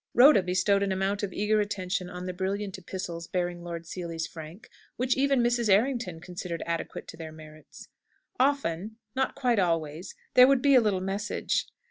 Rhoda bestowed an amount of eager attention on the brilliant epistles bearing Lord Seely's frank, which even Mrs. Errington considered adequate to their merits. Often not quite always there would be a little message.